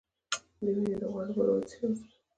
د وینې د غوړ لپاره باید څه شی وڅښم؟